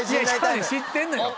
知ってんのよ。